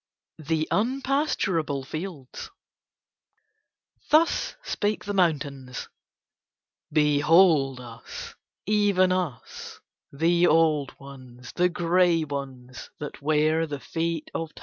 THE UNPASTURABLE FIELDS Thus spake the mountains: "Behold us, even us; the old ones, the grey ones, that wear the feet of Time.